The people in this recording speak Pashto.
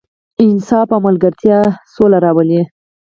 انصاف او ملګرتیا سوله راولي.